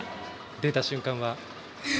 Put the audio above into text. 出た瞬間は？